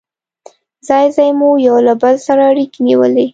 ځای ځای مو یو له بل سره اړيکې نیولې.